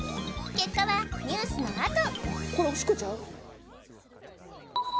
結果はニュースのあと！